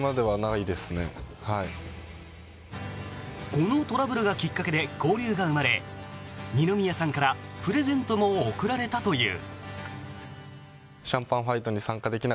このトラブルがきっかけで交流が生まれ二宮さんからプレゼントも贈られたという。